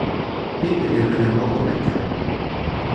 pipi li wile moku e telo.